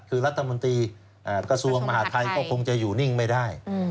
คือรัฐมนตรีอ่ากระทรวงศ์มหาดไทยก็คงจะอยู่นิ่งไม่ได้อืม